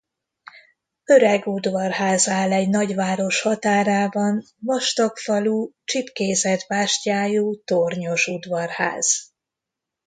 Öreg udvarház áll egy nagy város határában, vastag falú, csipkézett bástyájú, tornyos udvarház.